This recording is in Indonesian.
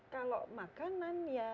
kalau makanan ya